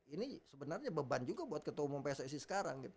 ini sebenarnya beban juga buat ketua umum pssi sekarang